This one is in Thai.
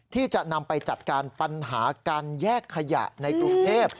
ที่จะนำไปจัดการปัญหาการแยกขยะในกรุงเทพ